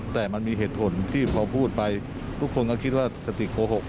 แต่มันมีเหตุผลที่พอพูดไปทุกคนก็คิดว่ากระติกโกหก